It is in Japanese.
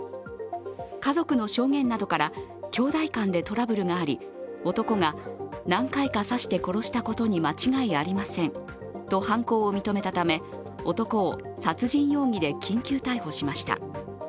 家族の証言などから、兄弟間でトラブルがあり男が何回か刺して殺したことに間違いありませんと犯行を認めたため、男を殺人容疑で緊急逮捕しました。